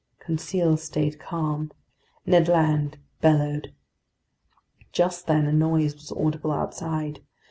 Conseil stayed calm. Ned Land bellowed. Just then a noise was audible outside.